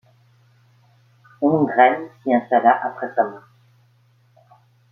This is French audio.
Hongren s’y installa après sa mort.